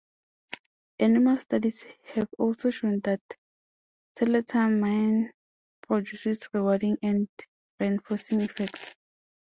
Animal studies have also shown that tiletamine produces rewarding and reinforcing effects.